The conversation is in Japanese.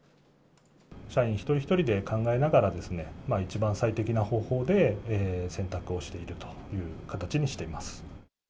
社員一人一人で考えながらですね、一番最適な方法で、選択をしているという形にしています。